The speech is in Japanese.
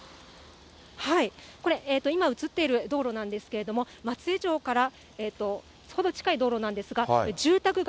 これ、今映っている道路なんですけれども、松江城から程近い道路なんですが、住宅街、